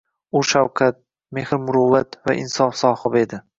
U, shafqqat, mehr-muruvvat va insof sohibi edi.